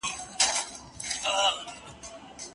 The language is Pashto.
څوک له استمتاع څخه برخمن کيدلای سي؟